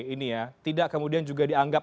ini ya tidak kemudian juga dianggap